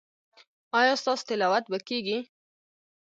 ایا ستاسو تلاوت به کیږي؟